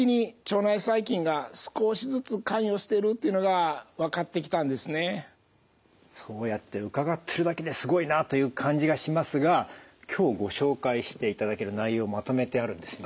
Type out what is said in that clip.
今日本で増えているそうやって伺ってるだけですごいなという感じがしますが今日ご紹介していただける内容をまとめてあるんですね？